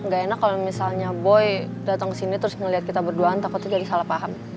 ga enak kalo misalnya boy dateng kesini terus ngeliat kita berduaan takutnya jadi salah paham